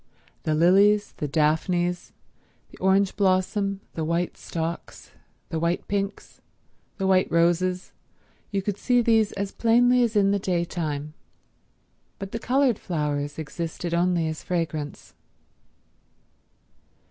The lilies, the daphnes, the orange blossom, the white stocks, the white pinks, the white roses—you could see these as plainly as in the day time; but the coloured flowers existed only as fragrance.